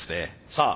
さあ